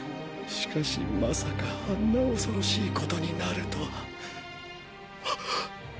しかしまさかあんな恐ろしいことになるとは。ッ！！